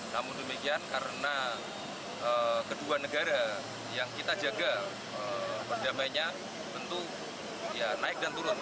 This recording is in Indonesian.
namun demikian karena kedua negara yang kita jaga perdamainya tentu naik dan turun